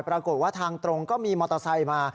ปรากฏว่าทางตรงก็มีมอเตอร์ไซค์มา